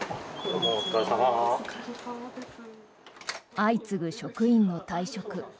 相次ぐ職員の退職。